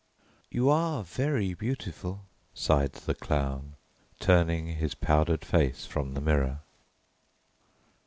"You are very beautiful," sighed the Clown, turning his powdered face from the mirror.